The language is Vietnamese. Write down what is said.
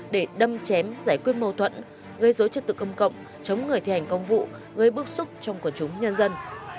để đâm chém giải quyết mâu thuẫn gây dối trật tự công cộng chống người thi hành công vụ gây bức xúc trong quần chúng nhân dân